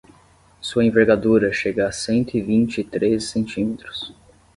Sua envergadura chega a cento e vinte e três centímetros